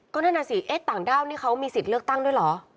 ก็นั่นน่ะสิต่างด้าวนี่เขามีสิทธิ์เลือกตั้งด้วยเหรอ